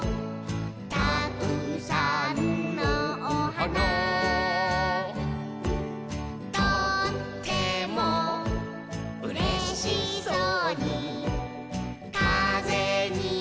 「たくさんのおはな」「とってもうれしそうにかぜにゆれている」